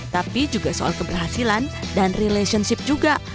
tapi juga soal keberhasilan dan relationship juga